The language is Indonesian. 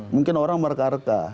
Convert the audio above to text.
mungkin orang mereka reka